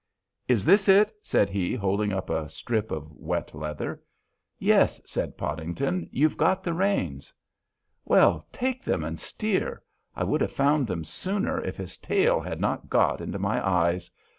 "Is this it?" said he, holding up a strip of wet leather. "Yes," said Podington, "you've got the reins." "Well, take them, and steer. I would have found them sooner if his tail had not got into my eyes.